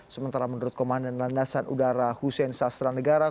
sementara menurut komandan landasan udara hussein sastra negara